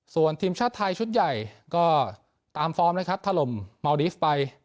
ส่วนทีมชาติไทยชุดใหญ่ก็ตามฟอร์มนะครับถล่มเมาดีฟไป